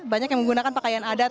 banyak yang menggunakan pakaian adat